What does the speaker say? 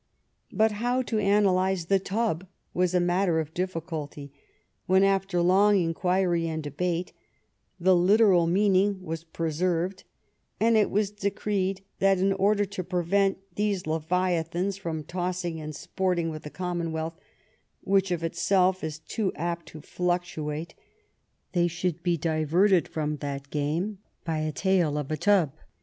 But how to analyze the tub, was a matter of difficulty; when, after long inquiry and debate, the literal mean ing was preserved ; and it was decreed, that, in order to prevent these Leviathans from tossing and sporting with the Commonwealth, which of itself is too apt to fluctuate, they should be diverted from that game by a Tale of a Tub.